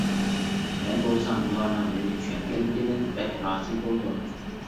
مەن بولسام ئۇلارنىڭ مېنى چۈشەنگەنلىكىدىن بەك رازى بولدۇم.